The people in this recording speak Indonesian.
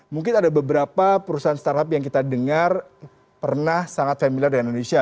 mungkin ada beberapa perusahaan startup yang kita dengar pernah sangat familiar dengan indonesia